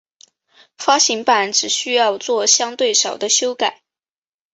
发行版只需要作相对少的修改。